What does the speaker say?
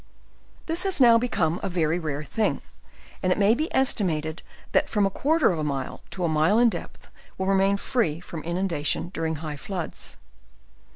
This has now become a very rare thing, and it may be estimated that from a quarter of a mile to a mile in depth, will remain free from inundation during high floods.